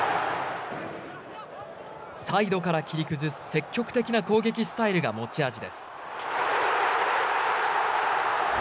サイドから切り崩す積極的な攻撃スタイルが持ち味です。